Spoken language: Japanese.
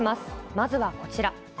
まずはこちら。